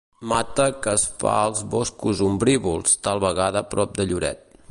Mata que es fa als boscos ombrívols, tal vegada prop de Lloret.